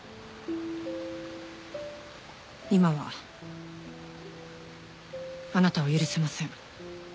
今はあなたを許せません。